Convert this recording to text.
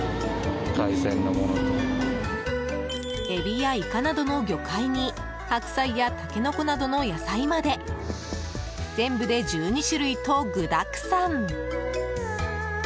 エビやイカなどの魚介に白菜やタケノコなどの野菜まで全部で１２種類と具だくさん。